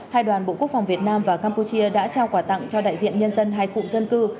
hai đoàn bộ quốc phòng việt nam và campuchia đã trao quà tặng cho đại diện nhân dân hai cụm dân cư